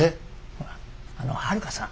ほらあのはるかさん